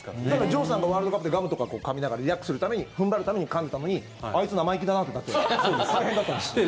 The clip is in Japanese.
城さんがワールドカップでガムとかかみながらリラックスするために踏ん張るためにかんでたのにあいつ、生意気だなってなって大変だったんですって。